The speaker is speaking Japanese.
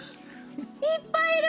いっぱいいる！